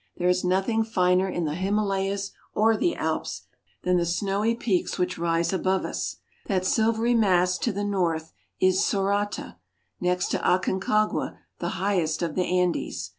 There is nothing finer in the Himalayas or the Alps than the snowy peaks which rise above us. That silvery mass to the north is Sorata (so ra'ta), next to Aconcagua the highest of the Andes.